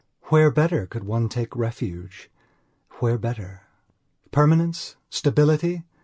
Where better could one take refuge? Where better? Permanence? Stability?